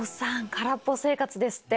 空っぽ生活ですって。